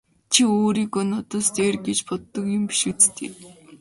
Чи өөрийгөө надаас дээр гэж боддог юм биш биз дээ!